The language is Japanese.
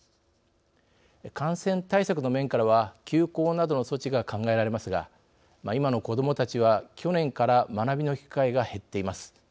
感染対策の面からは休校などの措置が考えられますが今の子どもたちは、去年から学びの機会が減っています。